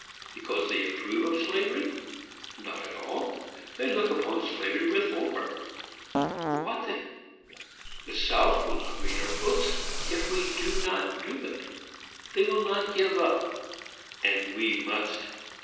Because they approve of slavery? Not at all. They look upon slavery with horror. What then? "The South will not read our books, if we do not do it. They will not give up, and we must.